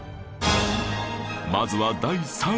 まずは第３位